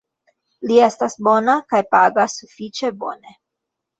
Li estas bona kaj pagas sufiĉe bone.